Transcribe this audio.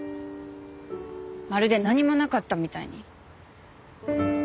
まるで何もなかったみたいに。